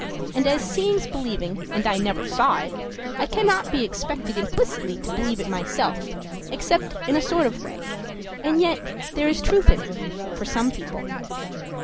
And as seeing's believing, and I never saw it, I cannot be expected implicitly to believe it myself, except in a sort of a way; and yet there is truth in it for some people.